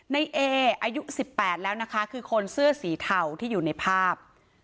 ในเออายุ๑๘แล้วนะคะคือคนเสื้อสีเทาที่อยู่ในภาพ